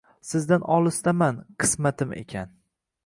Sizdan olisdaman qismatim ekan